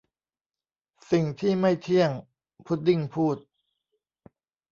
'สิ่งที่ไม่เที่ยง !' พุดดิ้งพูด